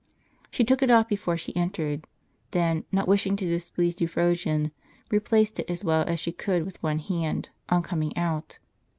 She took it off before she entered ; then, not wishing to displease Euphrosyne, replaced it as well as she could with one hand, on coming out.